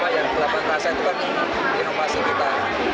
yang melakukan rasa itu kan inovasi kita